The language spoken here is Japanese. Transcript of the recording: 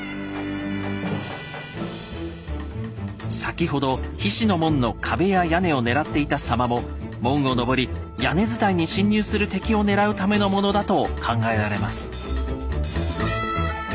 先ほど菱の門の壁や屋根を狙っていた狭間も門を登り屋根伝いに侵入する敵を狙うためのものだと考えられます。